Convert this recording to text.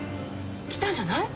来たんじゃない？